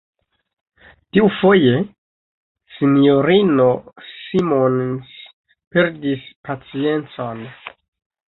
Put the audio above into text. Tiufoje, S-ino Simons perdis paciencon.